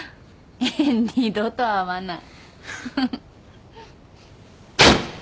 二度と会わない。